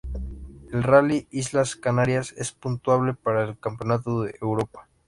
El Rally Islas Canarias es puntuable para el Campeonato de Europa.